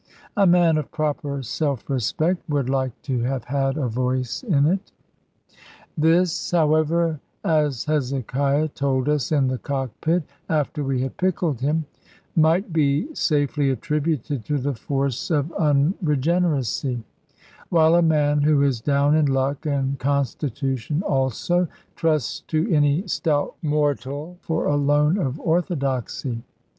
A man of proper self respect would like to have had a voice in it. This, however (as Hezekiah told us in the cockpit, after we had pickled him), might be safely attributed to the force of unregeneracy; while a man who is down in luck, and constitution also, trusts to any stout mortal for a loan of orthodoxy.